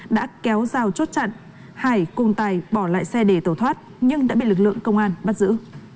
đã kéo rào chốt chặn hải cùng tài bỏ lại xe để tẩu thoát nhưng đã bị lực lượng công an bắt giữ